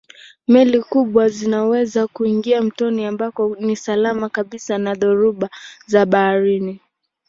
Meli kubwa zinaweza kuingia mtoni ambako ni salama kabisa na dhoruba za baharini.